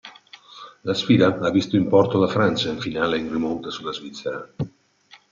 La sfida ha visto importo la Francia in finale in rimonta sulla Svizzera.